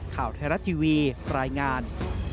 ข่าวแทรศทีวีปรายงาน